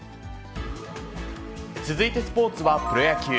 続いてスポーツはプロ野球。